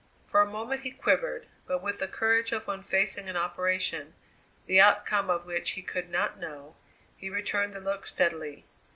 For a moment he quivered, but with the courage of one facing an operation, the outcome of which he could not know, he returned the look steadily.